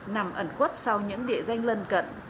nằm ẩn khuất sau những địa danh lân cận